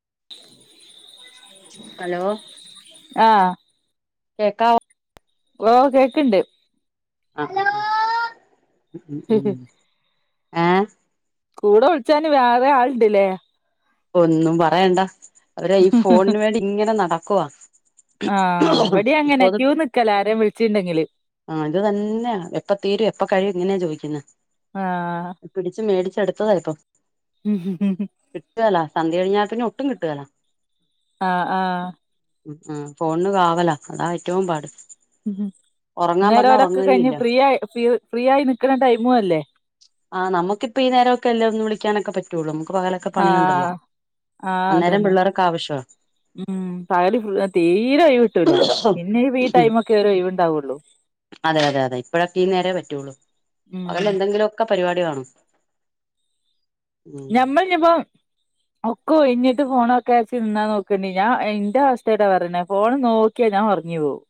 [inaudible] Hello ആഹ് കേക്കാമോ ഓ കേക്ക്ണ്ട് അ ഹലോ [unintelligible] ആ കൂടെ ഒളിച്ചാന് വേറെ ആള്ണ്ട് ലേ ഒന്നും പറയണ്ടാ അവര് ഈ ഫോണിന് വേണ്ടി ഇങ്ങനെ നടാ പൊവാ ആഹ് ഇവടിം ഇപ്പൊ അങ്ങനെ അത് ക്യൂ നിക്കലാ ആരേം വിളിച്ചിണ്ടെങ്കില് ആ ഇത് തന്നെയ എപ്പ തീരും എപ്പ കഴിയും ഇങ്ങനെയ ചോയ് പിന്നെ ആഹ് പിടിച്ച് മേടിച്ചടുത്ത് എടു [unintelligible] ഉം ഹ് ഹ് കിറ്റുകേല സന്ധ്യ കഴിഞ്ഞാൽ പിന്നെ ഒട്ടും കിട്ട്യേല ആ ആ ഉം ഉ ഫോണിന് കാവല അതാ ഏറ്റവും പാട് മ്മ് ഹ് ഒറങ്ങാൻ പറഞ്ഞാ ഇന്നേരോലൊക്കെ കയിഞ്ഞ് ഒറങ്ങുകേയില്ല ഫ്രീ ആയി ഫ്രീ ആയി നിക്കണ ടൈമു അല്ലേ ആഹ് നമുക്കിപ്പ ഈ നേരമൊക്കെ അല്ലേ ഒന്ന് വിളിക്കാനൊക്കെ പറ്റുള്ളൂ നമക്ക് പകലസ് ആ ആ അതന്നെ പിള്ളേർക്ക് ആവശ്യവാ മ്മ് പകല് ഫുള്ള് തീരെ ഒയിവ് ട്ടൂല പിന്നെ ഈ ടൈമൊക്കെ ഒരു ഒയിവുണ്ടാവുള്ളൂ അതെ അതെ അതെ ഇപ്പഴൊക്കെ ഈ നേരേ പറ്റുള്ളൂ ഉം പകല് എന്തെങ്കിലുമൊക്കെ പരിപാടി കാണും ഉം ഞമ്മൾഞ്ഞിപ്പോ ഒക്കെ ഒയ്ഞ്ഞിട്ട് ഫോണോക്കാച്ച് നിന്നാ നോക്കണ്ടി ഞാൻ എന്റെ അവസ്ഥേ ട്ടൊ പറേണെ ഫോണ് നോക്കിയാ ഞാൻ ഒറങ്ങി പോവും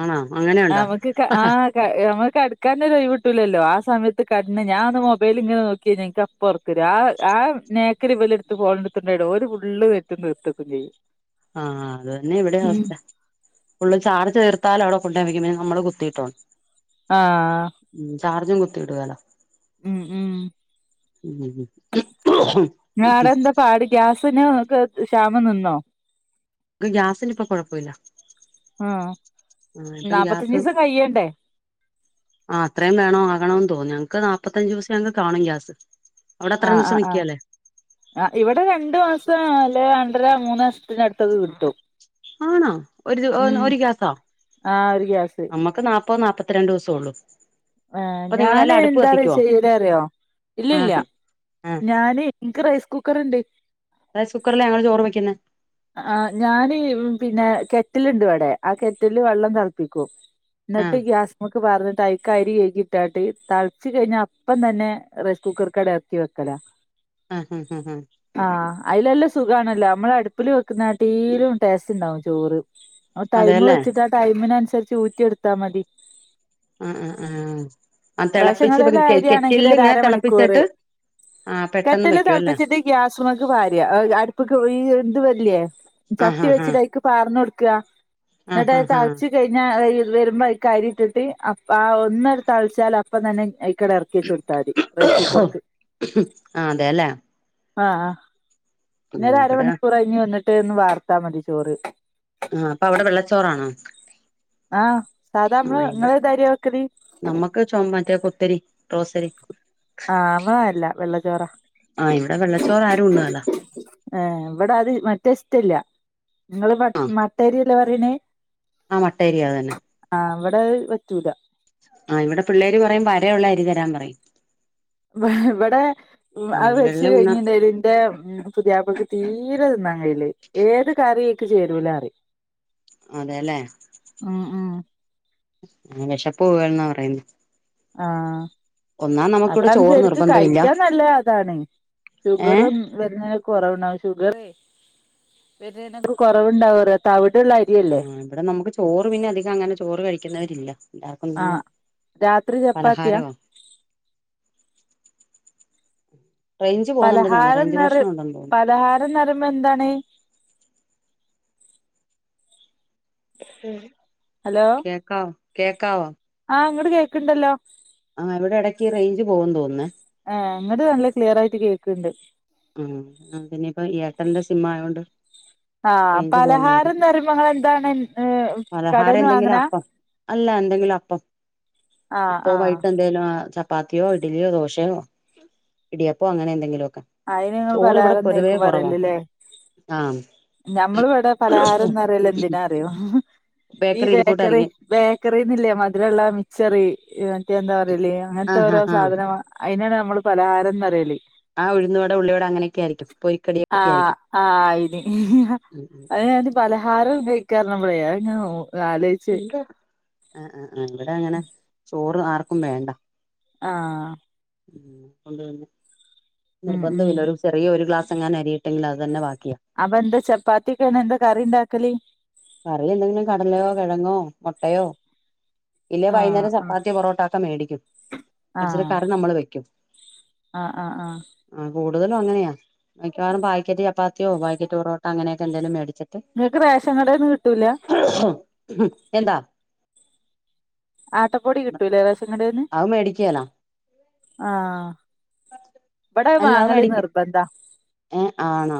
ആണോ അങ്ങനെയുണ്ടോ നമുക്ക് ക്ക് ആകയ് അമുക് കെടക്കാനൊരൊയ് വ്ട്ടൂലല്ലോ ആ സമയത്ത് കണ്ണ് ഞാഒന്ന് മൊബൈല്ങ്ങനെ നോക്കിഞ പുറത്ത് ആ ആ നേക്കരി ഇവല എടുത്ത് പോടുത്തണ്ടായിട ഒരുര് ഫുള്ള് വെറ്റും തീർത്തക്കും ചെയ്യും ആഹ അത്തന്നെ ഇവിടെ അവസ്ഥ ഫുള്ളും ചാർച്ച് തീർത്താാലും അവിടെ കൊണ്ടു വക്കുംെ നമ്മള് കുത്തിട്ടോണ് ആഹ് ചാർജും കു കുത്തിടുകേലോ ഉം ഉം ഉം ങ്ങളാടെ എന്താ പാട് ഗ്യാസിന് ഒക്കെ ഷാ മം നിന്നോ ക്ക് ഗ്യാസിന് ഇപ്പൊ കുഴപ്പമില്ല ആഹ് ആ ഇപ്പം നാപ്പത്തഞ്ച് ഗ്യാസ് ദിവസം കഴിയണ്ടേ ആ അത്രയും വേണം ആകണന്ന് തോന്ന് ഞങ്ങക്ക് നാ മുപ്പത്തഞ്ച് ദിവസം ങ് കാണും ഗ്യാസ് അവിടെ അത്രയും ആഹ് ആ ദിവസം ആഹ് നിക്കേലേ ആ ഇവിടെ രണ്ടു മാസം അല്ല രണ്ടര മൂന്ന് മാസത്തിടു ത്തൊക്കെ കിട്ടും ആണോ ഒരു ഉം ഒരു ഗ്യാസോ ആ ഒരു ഗ്യാസ് നമ്മുക്ക് നാ പ്പൊ നാല്പ്പത്തിരണ്ട് ദിവസോ ഒള്ളൂ ആ ഞാന് എന്താ റിയോ ചെയ്യല് അറിയോ ഇല്ലല്ല ആഹ് ആഹ് ഞാന് ഇൻക് റൈസ് കുക്കറ് ണ്ട് റൈസ് കുക്കറിലാ ഞങ്ങൾ ചോറ് വെക്കുന്നെ ആ ഞാന് പിന്നെ കെറ്റിലുണ്ട് ഇവടെ ആ കെറ്റിലില് വെള്ളം തിളപ്പിക്കും ന്നട്ട് ആഹ് ഗ്യാസ്മക്ക് പാർ ട്ടൈക്കരി കയ്കി ഇട്ടാട്ട് തൾച്ച് കഴിഞ്ഞാ അപ്പം തന്നെ റൈസ് കുക്കർക്കട എർക്കി വെക്കലാ ആഹ് ആഹ് ആഹ് ആഹ് അയ്ലല്ല സുഖാണല്ലോ നമ്മള അടു പ്പിൽ വെക്കുന്നാട്ടീലും ടേസ്റ്റ് ഉണ്ടാവും ചോറ് ടൈമ് അതെല്ലേ വെച്ചിട്ടാ ടൈമിനനുസ രിചൂറ്റി എടുത്താ മതി ആ ആ ആ റേഷൻ തിളപ്പിച്ച് കടേലെ അരിയാണെങ്കിൽ കെറ്റിലിൽ ഒരു ഇങ്ങനെ അരമണിക്കൂറ് തിളപ്പിച്ചിട്ട് ആ പെട്ടെന്ന് കെറ്റല് ത വെക്കും അല്ലേ ൾപ്പിച്ചിട്ട് ഗ്യാസ്മക്ക് പാരാ അടുപ്പക്ക് ഈ ഇത് വര്ല്ലേ ആഹ് ചട്ടി ആഹ് വെച്ചിട്ടൈക്ക് പാർന്നൊടുക്കാ ആഹ് ഇന്നട്ട് ആഹ് ആഹ് തൾച്ച് കഴിഞ്ഞാ വരുമ്പോ അരി ഇട്ടിട്ട് ആ ഒന്നടുത്തൾച്ചാല പ്പം തന്നെ അയ് ക്കട എറക്കി വെച്ച് കൊടുത്താ മതി റൈസ് ആ കുക്കർക്ക് ആ അതെല്ലേ ആഹ ഉം പിന്നൊര് ഇവിടെ അരമണിക്കൂർ കഴിഞ്ഞ് വന്നി ട്ട് ഒന്ന് വാർത്താ മതി ചോറ് ആ അപ്പൊ അവിടെ വെള്ളച്ചോറാണോ ആഹ് സാധാ ആ നമ്മള് ഇവി നിങ്ങെളെതര്യാ വെക്കല് നമ്മുക്ക് ചൊ മറ്റേ കുത്തരി റോസരി ചോറാ ആഹ് ഇവിടെ വെള്ളച്ചോറ് ആരും ഉണ്ണുകേല റ്റെസ്റ്റല്ല്യ നിങ്ങള് മട് ആ മട്ടരിയെട് ല്ലേ പറയണേ? ആ മട്ടരിയ അത് തന്നെ. അവിടെ ത് പറ്റൂല. ആ ഇവിടെ പിള്ളേര് പറയും വരയുളള അരിതരാൻ പറയും ഇവിടെ വ് ആ അത് വെച്ച് വെള്ള ഉണ്ണ കഴിഞ്ഞിണ്ടേല് ഇന്റെ പുതിയാപ്ലക്ക് തീരെ തിന്നാൻ കഴയില്ല ഏത് കറീ ക്ക് ചേരൂല പറിയും. അതെല്ലേ ഉം ആ വെശപ്പ്പോകുവേലാന്നാ പറയുന്നേ ആഹ് അതാണ് ചോറ് ശരിക്ക് നിർബന്ധമില്ല കഴിക്കാൻ നല്ലെ അതാണ് ഏഹ് ഷുഗറും വരുന്നെ കൊറവുണ്ടാവും ഷുഗറേ വെരുന്നേനൊക്കെ കൊറവുണ്ടാവും പറയാ തവിട് ആ ഇവിടെ നമുക്ക് ചോറ് പിന്നെ അധികം അങ്ങനെ ചോറ് കഴിക്കുന്നവരി ഇല്ല ആ രാത്രി ചപ്പാത്തിയാ? പലഹാരവാ റേഞ്ച് പോകുന്നുണ്ടെന്ന് തോന്നുന്നു പലഹാരം റേഞ്ച് നിറ് പ്രശ്നം ഉണ്ടെന്ന് തോന്നുന്നു പലഹാരം നിർബന്ധം ആണ്? [unintelligible] ഹലോ കേക്കാവ? കേക്കവോ? ആ ഇങ്ങട് കേക്ക്ണ്ടല്ലോ ആ ഇവിടെ എടക്ക് റേഞ്ച് പോകും തോന്നുന്നേ ക്ക്ണ്ട് മ് അങ്ങനെ ആഹ് റേഞ്ച് പലഹാരന്ന് പോകുന്നതായിരിക്കും പറയുമ്പോ ഇങ്ങൾ എന്താണ് ന് ഏ പലഹാരം കടേന്ന് എന്തെങ്കിലും വാങ്ങണാ- അപ്പം അല്ല എന്തെങ്കിലും അപ്പം അപ്പോ ആ വൈകിട്ട് എന്തേലും ആ ചപ് ചപ്പാത്തിയോ ഇഡ്ലിയോ ദോശയോ ഇടിയപ്പോ അങ്ങനെ എന്തെങ്കിലുമൊക്കെ അയിന് ഇങ്ങൾ ചോറ് ഇവിടെ പലഹാരം പൊതുവേ നായിക്കും കുറവാ പറയല്ല് ല്ലേ? ആഹ് ഞമ്മൾ ഇവിടെ പലഹാരം ന്ന് പറയല് എന്തിനാ അറിയോ? ഈ ബേക്കറി, ബേക്കറിന്നീല്ലേ മധുരമുള്ള മിച്ചറ് മറ്റേ എന്താ പറേല് അങ്ങനത്തെ ആഹ് ഓരോ ആഹ് ആഹ് സാധനമാ അയിനാണ് നമ്മ നമ്മള് പലഹാരം ന്ന് പറയല്. ആ ഉഴുന്നുവട ഉള്ളി വട അങ്ങനെയൊക്കെ ആയിരിക്കും, പൊരിക്കടിയൊക്കെ ആയിരിക്കും. ഉം ഉം അതിനയിന് പലഹാരം ഐക്കാപറഞ്ഞപ്പള് അതിങ്ങനെ നോ [unintelligible] ആ ആ ആ ഇവിടെ അങ്ങനെ ചോറ് റ് ആർക്കും വേണ്ട ആ ഉം ഉം ഉം നിർബന്ധമില്ല ഒരു ചെറിയ ഒരു ഗ്ലാസ് എങ്ങാനും അരിയിട്ടെങ്കിൽ അത് തന്നെ ബാക്കി അപ്പ എന്താ ചപ്പാത്തിക്കെണ് എന്താ കറിണ്ടാക്കല് കറി എന്തെങ്കിലും കടലയോ കിഴങ്ങോ മൊട്ടയോ ഇല്ലേൽ ആഹ് വൈകുന്നേരം ആഹ് ചപ്പാത്തി പൊറോട്ട ഒക്കെ മേടിക്കും അടിച്ചിട്ട് ആഹ് കറി നമ്മൾ വെക്കും ആഹ് ആഹ് ആഹ് ആ കൂ കൂടുതലും അങ്ങനെയാ പാക്കറ്റ് ചപ്പാത്തിയോ പാക്കറ്റ് പറോട്ട അങ്ങനൊക്കെ എന്തേലും മേടിക്കു ങ്ങക്ക് റേഷൻ കടേന്നു കി എന്താ ആട്ടപ്പൊടി കിട്ടൂലെ റേഷൻ കടേന്നു അത് മേടിക്കേലാ ആ ഇവിടെ അല്ല അത് വാങ്ങലി മേടിക്ക നിർബന്ധാ ഏഹ് ആണോ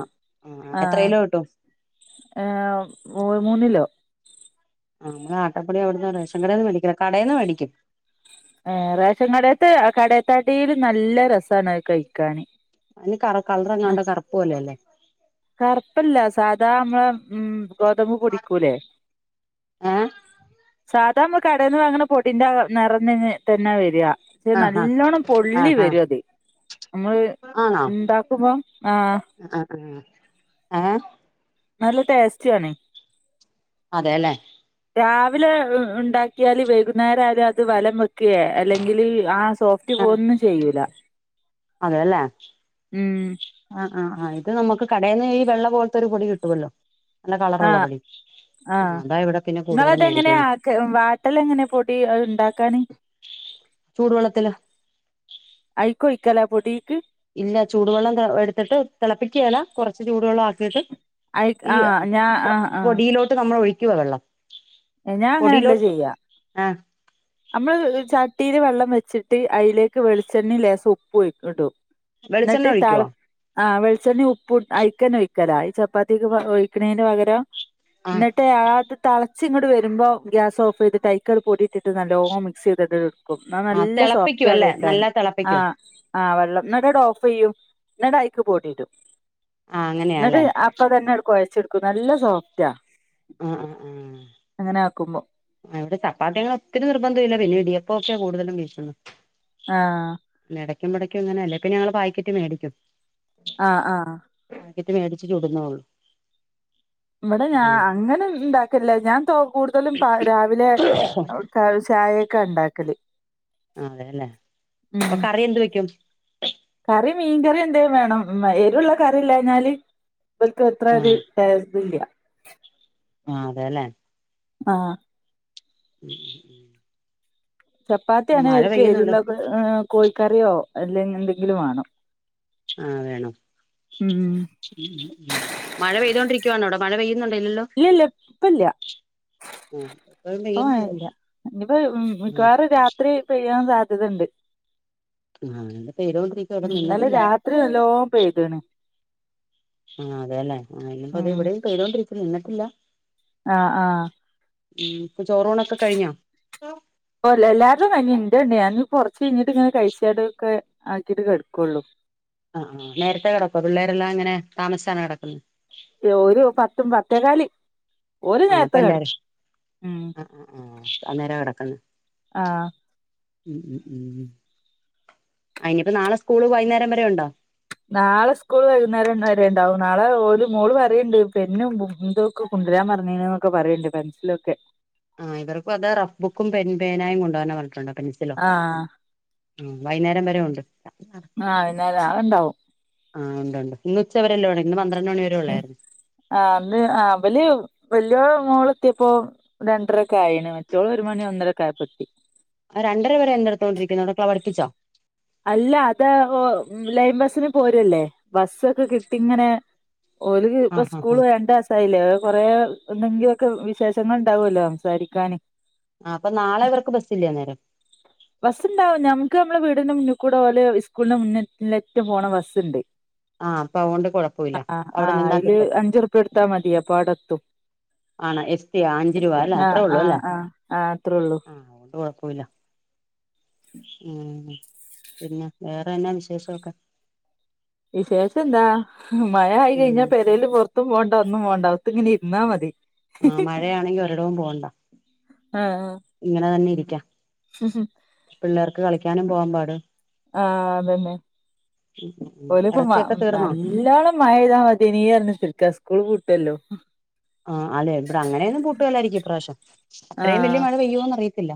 ആഹ് ആ എത്ര കിലോ കിട്ടും ഏ മൂന്നിലോ ആ ആട്ടപ്പൊടി എവിടന്ന റേഷൻകടേന്നു മേടിക്കില്ല കടേന്ന് മേടിക്കും ഏ റേഷൻ കടേത്ത് കടേത്തേട്ടിലും നല്ല രസ അയില് കളറങ്ങാണ്ട കറപ്പ് പോല അല്ലേ കറുപ്പല്ല സാധാ നമ്മളെ ഉം ഗോതമ്പ് പൊടിടിക്കൂലേ ഏ സാധാ നമ്മള് കടേന്ന് വാങ്ങണ പൊടിന്റെ നിരതന്നെണ് തന്നെ വരാ ക്ഷെ ആഹാ നല്ലോണ്ണം പൊള്ളി ആഹാ വരും അത് നമ്മള് ആണോ ന്താക്കുമ്പോ ആ ആ ഏ നല്ല ടേസ്റ്റാണ് അതെ ല്ലേ രാവിലെ ഉണ്ടാക്കിയാല് വൈകുന്നേരം ആയാലും അത് വലം വെക്കുക അല്ലെങ്കിൽ ആ സോഫ്റ്റ് പോ ന്നും ചെയ്യൂല അതെയല്ലേ ഉം ആ ആ ആ ഇത് നമുക്ക് കടയിൽന്ന് ഈ വെള്ള പോലത്തെ ഒരു പൊടി കിട്ടുവല്ലോ ആ ആ അതാ ഇവിടെ പിന്നെ കൂടുതലും നിങ്ങളതെങ്ങനെ മേടിക്കുന്നത് ആക്ക വാട്ടല് എങ്ങനെ പൊടി ഉണ്ടാക്കൻ ചൂടുവെള്ളത്തില് അയിക്കൊഴിക്കല പൊടിക്ക് ഇല്ല ചൂടുവെള്ളം എടുത്തിട്ട് തിളപ്പിക്കേല കുറ ചൂടുവെള്ളമാക്കിയിട്ട് അയ് ഈ ആഹ് ഞാ പൊടിയിലോട്ട് നമ്മൾ ഒഴി ക്കുവ വെള്ളം ഏ ഞാൻ അങ്ങനെല്ല പൊടിയിലോട്ട് ചെയ്യാ ആ അമ്മള് ച ട്ടിയില് വെള്ളം വെച്ചിട്ട് അയിലേക്ക് വെളിച്ചെണ്ണിം ലേസുപ്പ് പൊയിക്കട്ടൊ വെളിച്ചെണ്ണ ഒഴിക്കോ? ആ വെളിച്ചെണ്ണിം ഉ പ്പും അയിക്കന്നെ ഒഴി ക്കലായി ചപ്പാത്തീക്ക് പ ഒഴിക്കണേന്റെ പകരം ആ ഇന്ന്ട്ട് ആത് തള് ച്ച് ഇങ്ങട്ട് വരുമ്പോ ഗ്യാസ് ഓഫെയ്തിട്ട് അയ്ക്കത് പൊടിയിട്ടിട്ട് നല്ലോം മിക്സെയ്ത്ട് ക്കും ന്നാ ആ നല്ല തിളപ്പിക്കും സോഫ്റ്റാ അല്ലേ കഴിക്കാൻ നല്ല ആ തിളപ്പിക്കും ആഹ് വെള്ളം ന്നട്ട് ഓഫെയ്യും എന്ന്ട്ട അയിക്ക് പൊടിയിടും ആ ന്ന്ട്ട് അങ്ങനെയാല്ലേ അപ്പം തന്നെ അത് കൊയച്ചെടു [unintelligible] നല്ല സോഫ്റ്റാ ആ ഏ ക്കുമ്മോ ഏ ഇവിടെ ചപ്പാത്തി അങ്ങനെ ഒത്തിരി നിർബന്ധൊല്ല പിന്നെ ഇടിയപ്പൊക്കെ കൂടുതലും വീശുന്നെ ആ എടയ്ക്കുതൊടയ്ക്കും ഇങ്ങനെയല്ലേ പിന്നെ ഞങ്ങള് പാക്കറ്റ് മേടിക്കും ആ ആ ക്ക്റ്റ് മേടിച്ച് ചുടുന്നോ ഇവിടെ ഞാൻ അങ്ങനെണ്ടാക്കേല്ല ഞാൻ തോ കൂടുതലും കാ രാവിലെ ആഹ് കാലിചായെ ക്കെ ഇണ്ടാക്കല് ആ അതെല്ലേ ഉം [unintelligible] എന്ത് വെയ്ക്കും കറി മീൻകറി എന്തേ വേണം എരുള്ളകറി ഇല്ലാഞ്ഞാല് ഇവല്ക്കത്രെ ഒര് ടേസ് ഇതില്ല ആ അതെല്ലേ ആ ഉം ഉം ഉം ചപ്പാത്തിയാണെ അവര്ക്ക എരുള്ള കോഴിക്കറിയോ അല്ലെ എന്തെങ്കിലും വാണം ആ വേണം ഉം മഴ പെയ്തൊണ്ടിരിക്കാണോ അവിടെ മഴപെയ്യ് ഇല്ലല്ല ഇപ്പല്ല ആഹ് ഇപ്പഴും പ്പോ പെയ്യുന്നുണ്ട് മഴല്ല ഞ്ഞ്പ്പൊ മിക്കവാറും രാത്രി പെയ്യാൻ സാ ധ്യതണ്ട് ആ എന്റെ പേരുണ്ടോക്ക് എ വിടെ നിന്നിട്ടില്ല രാത്രി നല്ലോം പെയ്ത്ണ് ആ അതെയല്ലേ ആ ഇനിപ്പത് എവിടെയും പെയ്തോണ്ടരി നിന്നിട്ടില്ല ആ ആ ഉം ചോറോണൊക്കെ കഴിഞ്ഞാ കയ്ഞ്ഞ് ഇന്റെണ്ട് ഞാന് കൊറച്ച് കഴിഞ്ഞിട്ട് ഇങ്ങനെ കഴ്ചാടെക്കെ ആക്കിട്ട് കെട്ക്കാെള്ളു അ ആ നേരത്തെ കിടക്കോ പിള്ളേരെല്ലാം അങ്ങനെ താമസിച്ചാണോ കെടക്കുന്നെ ഓര് പത്തും പത്തേക്കാലി ആ പ്പ എല്ലാരും അ അ ആ ആ നേരാ കടെക്ക്ന്ന് ആഹ് ഉം ഉം ഉം അ ഇനിയിപ്പോ നാളെ സ്കൂള് വൈന്നേരം വരെ ഉണ്ടോ നാളെ സ്കൂൾ വൈകുന്നേരം വരെണ്ടാവും നാളെ ഓ മോള് പറയണ്ട് പെന്നും ബു തൊക്കെ കൊണ്ടുരാൻ പറഞ്ഞീണ്ന്നൊക്കെ പറീണ്ട് പെൻസിലൊക്കെ ആ ഇവർക്കും അത് റഫ് ബുക്കും പെൻ പേനായ കൊണ്ട പോരാൻഞ്ഞിട്ടുണ്ട് ആ ഉം വൈന്നേരം വരെ ഒണ്ട് ആ വൈന്നാര അഇണ്ടാവും ആ ഉണ്ട് ഉണ്ട് ഇന്ന് ഉച്ചവരെല്ലോ ഇന്ന് പത്രണ്ട് ഉം ആ ന്ന് ആ ബല് വല്യോ മോള് എത്തിയപ്പോ രണ്ടരക്ക ആയിന് മറ്റോള് ഒരു മണി ഒന്നരക്കയപ്പെത്തി ആ രണ്ടര വരെ എന്തെടുത്തോണ്ടിരിക്കുന്ന അടകെ പഠിപ്പിച്ചോ അല്ല അതാ ലൈൻബസിന് പോരല്ലേ ബസ്സൊക്കെ കിട്ടി ങ്ങനെ ഓല്ക്ക് ആ ഇപ്പ ആ ആ സ്കൂള് വേണ്ടസായില്ലേ കൊറേ എന്തെങ്കിലൊക്കെ വിശേഷങ്ങൾ ണ്ടാവൊല്ലോ സംസാരിക്കാന് ആ അപ്പൊ നാളെ ഇവർക്ക് ബസ്സില്ലെ ആ നേരം ബസ്ണ്ടാവും ഞമ്മുക്ക് ഞമ്മളെ വീടിന്റെ മുന്ന് കൂടെ ഓലെ സ്കൂളിന്റെ മുന്ന് ക്ക് പോണ ബസ്സ്ണ്ട് ആ അപ്പൊ അഓണ്ട് കൊഴപ്പവില്ല അവിടെ ആഹ് അയില് നിന്നാക്കിട്ടും അഞ്ചുറുപ്യ കൊടുത്താ മതി അപ്പൊ അവിടെത്തും ആണ എസ്റ്റിയാ അഞ്ചു രൂപ അല്ലെ ആഹ് അത്രേ ഉള്ളൂ ആഹ് അല്ലേ ആഹ് ആഹ് അത്രേള്ളൂ ആ അഒണ്ട് കൊഴപ്പൂല്ല ഉം പിന്നെ വേറെ എന്ന്നാ വിശേഷാെക്കെ വിശേഷന്താ മഴ ആയി ഉം കഴിഞ്ഞാ പെരേൽ പാെറത്തും പോ ണ്ട ഒന്നും പോ അവ്ത്ത്ങ്ങനെ ഇര്ന്നാ മതി ആ മഴയാണെങ്കി ഒരിടവും പോകണ്ട ഇങ്ങനെ തന്നെ ഇരി ക്ക ഉം ഉം പിള്ളേർക്ക് കളിക്കാനും പോവാൻ പാട് ആ അതന്നെ ഓൽപ്പം മ ഇറച്ചിയൊക്കെ തീർന്നോ നല്ലോണം മയയ്താ മത്യേനീ പറഞ്ഞുത്തർക്ക സ്കൂള് പു എല്ലോ ആഹ അല്ലെ ഇവിടെ അങ്ങനെയൊന്നും പൂട്ടിലായിയിരിക്കും ഇപ്രേവശ്യം അത്രയും ആഹ് വല്യ മഴ പെയ്യോന്ന് അറിയത്തില്ല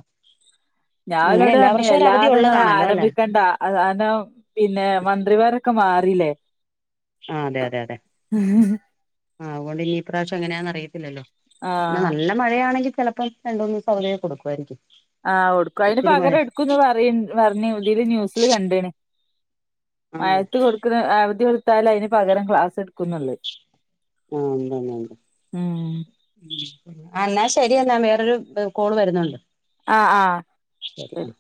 ഞാൻ അങ്ങനെ ഓലൊണ്ട് എല്ലാ പറഞ്ഞു വർഷവും ഒരു അവധി വല്ലാതെ നിങ്ങളെ ഉള്ളതാണല്ലോ അല്ലെ ആരംഭിക്കണ്ട കാരണം പിന്നെ മന്ത്രിമാരൊക്കെ മാറി റില്ലേ ആ അതെ അതെ അതെ ആ അതുകൊണ്ട് ഇനി ഇപ്രാവശ്യം എങ്ങനാന്നറയിത്തില്ലോ പിന്നെ ആഹ് നല്ല മഴയാണെങ്കിൽ ചിലപ്പ രണ്ട് മൂന്നിസം അവധി കൊടുക്കുമായിരിക്കും ആഹ് കൊടുക്കും അതിന് ഒത്തിരി മഴ പകരം എടുക്കുംന്ന് പറ പറഞ്ഞു ഇതില് ന്യൂസിൽ കണ്ട് ണ് ആണോ മഴത്ത് കൊടുക്കുന്ന അവധി കൊടു ത്തായാലും അതിന് പകരം ക്ലാസ് എടുക്കുന്നുള്ള ണ്ട് ണ്ട് എന്നാ ശരി എന്ന എന്നാ വേറൊരു കോള് വരുന്നുണ്ട് ആ ആഹ ശരി